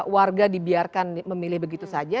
warga dibiarkan memilih begitu saja